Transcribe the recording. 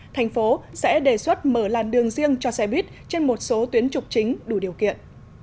thành phố sẽ đề xuất mở làn đường riêng cho xe buýt trên một số tuyến trục chính đủ điều kiện